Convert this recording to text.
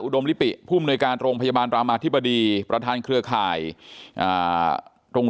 ดมลิปิผู้มนุยการโรงพยาบาลรามาธิบดีประธานเครือข่ายตรง